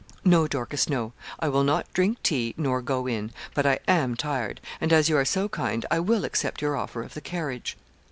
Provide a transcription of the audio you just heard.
'No, Dorcas, no; I will not drink tea nor go in; but I am tired, and as you are so kind, I will accept your offer of the carriage.'